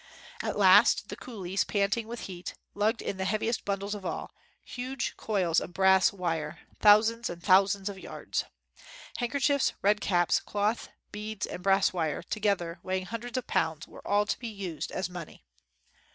At last, the coolies, panting with heat, lugged in the heaviest bundles of all — huge coils of brass wire — thousands and thousands of yards. Handkerchiefs, red caps, cloth, beads, and brass wire, together weighing hundreds of pounds, were all to be used as money.